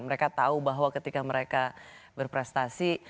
mereka tahu bahwa ketika mereka berprestasi